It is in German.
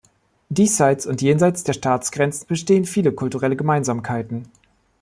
Diesseits und jenseits der Staatsgrenzen bestehen viele kulturelle Gemeinsamkeiten.